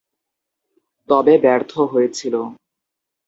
তবে ব্যর্থ হয়েছিল।